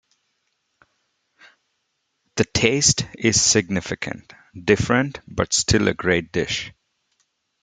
The taste is significant different but still a great dish.